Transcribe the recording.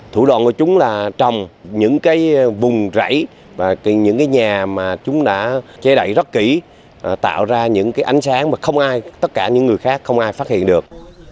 thủ đoạn của chúng là trồng những cái vùng rẫy và những cái nhà mà chúng đã che đậy rất kỹ tạo ra những cái ánh sáng mà không ai tất cả những người khác không ai phát hiện được